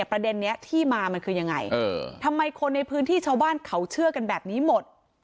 ประเด็นนี้ที่มามันคือยังไงทำไมคนในพื้นที่ชาวบ้านเขาเชื่อกันแบบนี้หมด